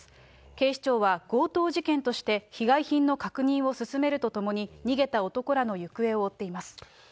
警視庁は、強盗事件として被害品の確認を進めるとともに、逃げた男らの行方を追っています。